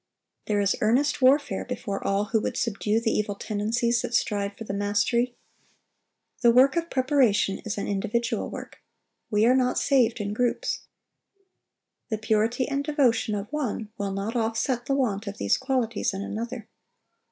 There is earnest warfare before all who would subdue the evil tendencies that strive for the mastery. The work of preparation is an individual work. We are not saved in groups. The purity and devotion of one will not offset the want of these qualities in another.